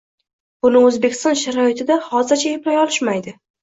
buni O‘zbekiston sharoitida hozircha eplay olishmaydi».